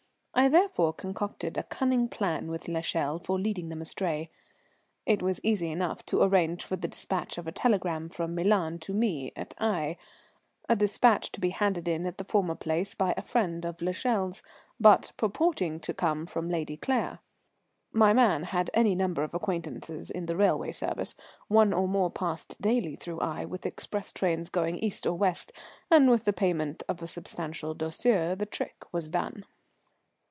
I therefore concocted a cunning plan with l'Echelle for leading them astray. It was easy enough to arrange for the despatch of a telegram from Milan to me at Aix, a despatch to be handed in at the former place by a friend of l'Echelle's, but purporting to come from Lady Claire. My man had any number of acquaintances in the railway service, one or more passed daily through Aix with the express trains going east or west; and with the payment of a substantial douceur the trick was done.